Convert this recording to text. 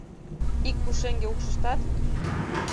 Ик пушеҥге укшыштат;